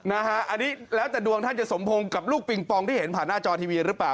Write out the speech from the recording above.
นะฮะอันนี้แล้วแต่ดวงท่านจะสมพงษ์กับลูกปิงปองที่เห็นผ่านหน้าจอทีวีหรือเปล่า